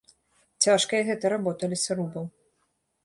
Цяжкая гэтая работа лесарубаў.